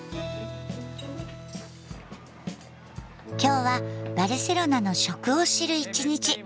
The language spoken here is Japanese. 今日はバルセロナの食を知る一日。